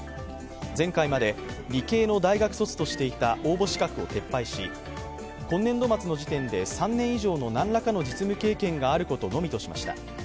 前回まで理系の大学卒としていた応募資格を撤廃し今年度末の時点で３年以上の何らかの実務経験があることのみとしました。